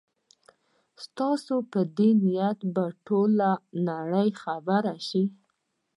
ستاسي په دې نیت به ټوله نړۍ خبره شي.